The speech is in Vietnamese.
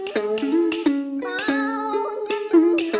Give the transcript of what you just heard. sao xinh như xuân mẹ